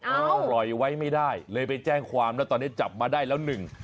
ปล่อยไว้ไม่ได้เลยไปแจ้งความแล้วตอนนี้จับมาได้แล้วหนึ่ง